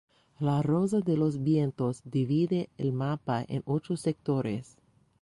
La rosa de los vientos divide el mapa en ocho sectores.